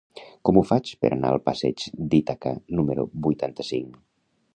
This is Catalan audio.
Com ho faig per anar al passeig d'Ítaca número vuitanta-cinc?